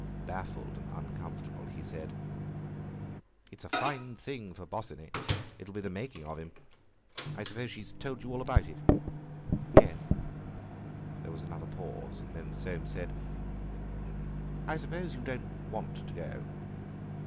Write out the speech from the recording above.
Baffled and uncomfortable, he said: "It's a fine thing for Bosinney, it'll be the making of him. I suppose she's told you all about it?" "Yes." There was another pause, and then Soames said: "I suppose you don't want to, go?"